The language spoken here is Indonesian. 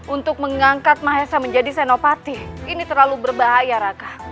untuk mengangkat mahesa menjadi senopati ini terlalu berbahaya raka